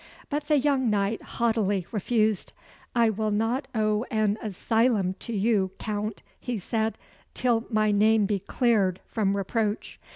But the young knight haughtily refused. "I will not owe an asylum to you, Count," he said, "till my name be cleared from reproach."